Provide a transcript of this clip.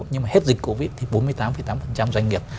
nhưng mà hết dịch covid thì bốn mươi tám tám doanh nghiệp